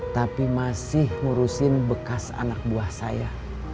tapi masih ngurusin bekas anak buah saya